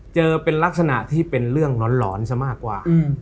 เจอเป็นลักษณะที่เป็นเรื่องหลอนซะมากกว่า